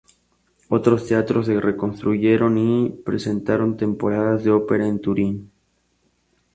Otros teatros se reconstruyeron y presentaron temporadas de ópera en Turín.